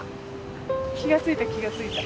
気がついた気がついた。